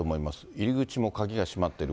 入り口も鍵が閉まっている。